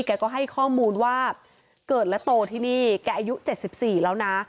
แกก็ให้ข้อมูลว่าเกิดและโตที่นี่แกอายุ๗๔แล้วนะ